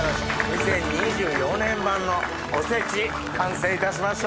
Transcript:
２０２４年版のおせち完成いたしました。